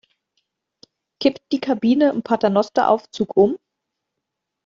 Kippt die Kabine im Paternosteraufzug um?